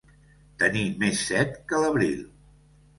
Tenir més set que l'abril.